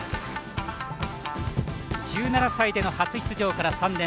１７歳での初出場から３年。